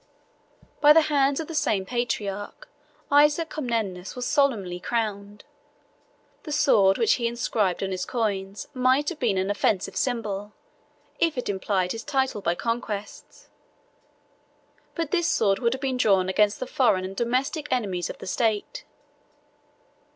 By the hands of the same patriarch, Isaac Comnenus was solemnly crowned; the sword which he inscribed on his coins might be an offensive symbol, if it implied his title by conquest; but this sword would have been drawn against the foreign and domestic enemies of the state.